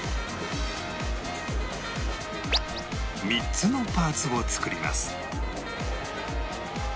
３つのパーツを作ります